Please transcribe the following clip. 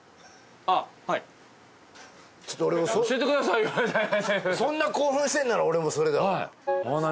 いきますかそんな興奮してんなら俺もそれだ泡波